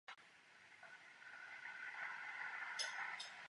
Zaměřuje se takřka na celý asijský region kromě Blízkého východu.